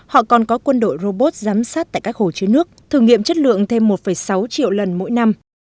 họ còn có quân đội robot giám sát tại các hồ chứa nước thử nghiệm chất lượng thêm một sáu triệu lần mỗi năm